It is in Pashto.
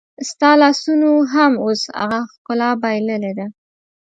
ستا لاسونو هم اوس هغه ښکلا بایللې ده